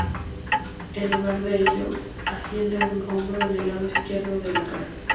En lugar de ello, asciende un hombro en el lado izquierdo de la cara.